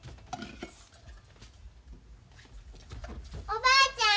おばあちゃん